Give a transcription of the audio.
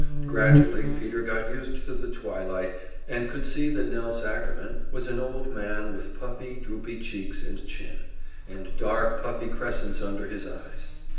Gradually Peter got used to the twilight, and could see that Nelse Ackerman was an old man with puffy, droopy cheeks and chin, and dark puffy crescents under his eyes.